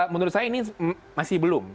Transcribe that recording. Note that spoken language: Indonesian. menurut saya ini masih belum